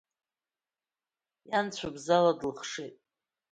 Иан цәыбзала длыхшеит.